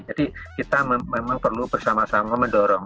jadi kita memang perlu bersama sama mendorong